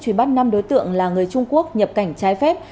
truy bắt năm đối tượng là người trung quốc nhập cảnh trái phép